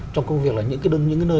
trong công việc là những cái nơi